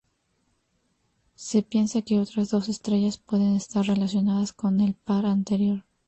Se piensa que otras dos estrellas pueden estar relacionadas con el par anterior.